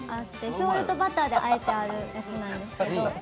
しょうゆとバターであえてあるやつなんですけど。